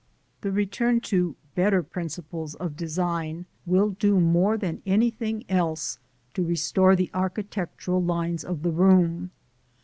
The return to better principles of design will do more than anything else to restore the architectural lines of the room.